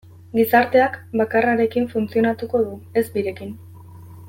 Gizarteak bakarrarekin funtzionatuko du, ez birekin.